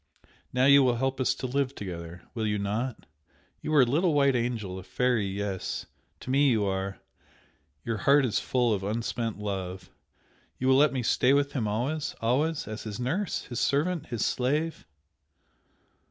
now you will help us to live together! Will you not? You are a little white angel a fairy! yes! to me you are! your heart is full of unspent love! You will let me stay with him always always? As his nurse? his servant? his slave?"